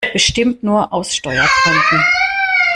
Bestimmt nur aus Steuergründen!